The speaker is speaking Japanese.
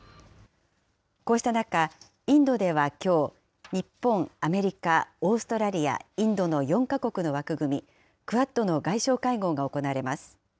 こうした中、インドではきょう、日本、アメリカ、オーストラリア、インドの４か国の枠組み・クアッドの外相会合が行われます。